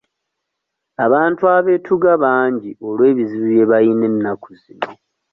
Abantu abeetuga bangi olw'ebizibu bye bayina ennaku zino.